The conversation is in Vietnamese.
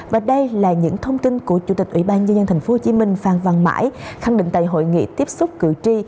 và đây là những thông tin của chủ tịch ủy ban nhân dân tp hcm phan văn mãi khẳng định tại hội nghị tiếp xúc cử tri